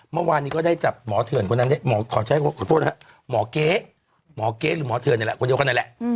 เมื่อวานก็ได้จับหมอเทวรขอโทษนะฮะหมอเกะหรือหมอเทวรคนเดียวกันนั่นแหละ